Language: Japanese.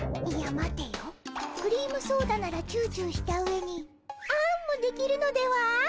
待てよクリームソーダならチューチューしたうえにあんもできるのでは？